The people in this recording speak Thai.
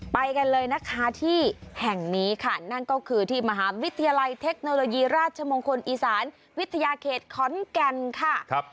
ไปกันเลยนะคะที่แห่งนี้ค่ะนั่นก็คือที่มหาวิทยาลัยเทคโนโลยีราชมงคลอีสานวิทยาเขตขอนแก่นค่ะ